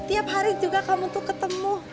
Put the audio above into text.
tiap hari juga kamu tuh ketemu